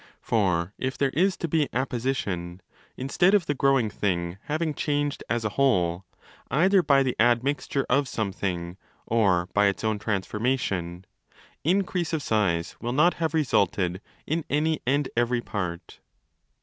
For if there is to be apposition (instead of the growing thing having changed as 25. a Whole, either by the admixture of something or by its own transformation), increase of size will not have resulted in any and every part.